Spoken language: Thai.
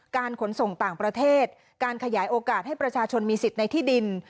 การขนส่งต่างประเทศการขยายโอกาสให้ประชาชนมีสิทธิ์ในที่ดิน